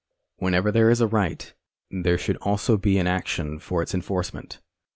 Whenever there is a right, there should also be an action for its enforce ment.